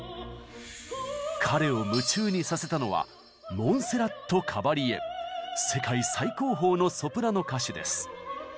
彼を夢中にさせたのは世界最高峰のソプラノ歌手です。